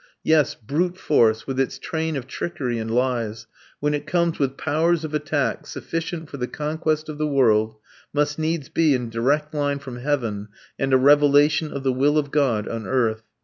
Yes, brute force with its train of trickery and lies, when it comes with powers of attack sufficient for the conquest of the world, must needs be in direct line from heaven and a revelation of the will of God on earth.